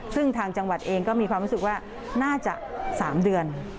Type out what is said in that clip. ซึ่งทางจังหวัดเองก็มีความรู้สึกว่าน่าจะ๓เดือน